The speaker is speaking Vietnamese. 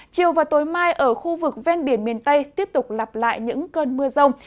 chiều và tối mai ở khu vực ven biển miền tây tiếp tục lặp lại những cơn mưa rông